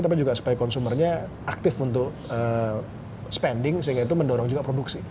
tapi juga supaya consumernya aktif untuk spending sehingga itu mendorong juga produksi